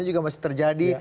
juga masih terjadi